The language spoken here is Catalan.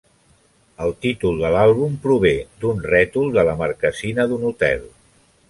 El títol de l'àlbum prové d'un rètol de la marquesina d'un hotel.